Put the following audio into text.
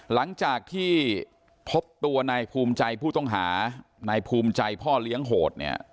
หลังจากที่พบตัวนายภูมิใจผู้ต้องหานายภูมิใจพ่อเลี้ยงโหดเนี่ย